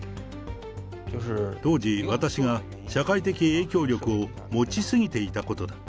当時、私が社会的影響力を持ち過ぎていたことだ。